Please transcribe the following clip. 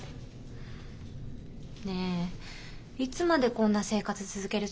ねえいつまでこんな生活続けるつもり？